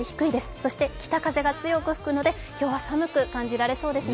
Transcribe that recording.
そして北風が強く吹くので今日は寒く感じられそうですね。